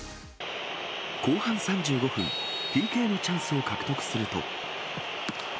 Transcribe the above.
後半３５分、ＰＫのチャンスを獲得すると。